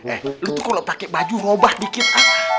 eh lo tuh kalo pake baju robah dikit ah